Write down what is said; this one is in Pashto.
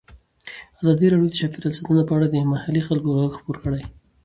ازادي راډیو د چاپیریال ساتنه په اړه د محلي خلکو غږ خپور کړی.